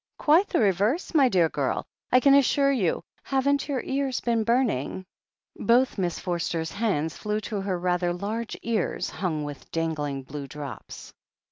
"Quite the reverse, my dear girl, I can assure you. Haven't your ears been burning?" Both Miss Forster's hands flew to her rather large ears, htmg with dangling blue drops.